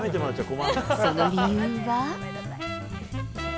その理由は。